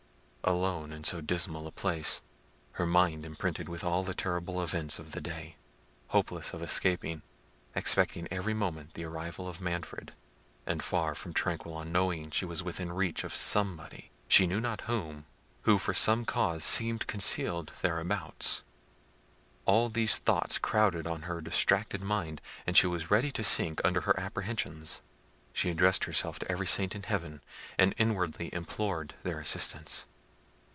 Alone in so dismal a place, her mind imprinted with all the terrible events of the day, hopeless of escaping, expecting every moment the arrival of Manfred, and far from tranquil on knowing she was within reach of somebody, she knew not whom, who for some cause seemed concealed thereabouts; all these thoughts crowded on her distracted mind, and she was ready to sink under her apprehensions. She addressed herself to every saint in heaven, and inwardly implored their assistance.